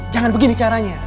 jangan begini caranya